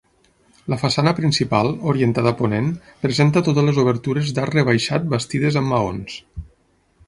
La façana principal, orientada a ponent, presenta totes les obertures d'arc rebaixat bastides amb maons.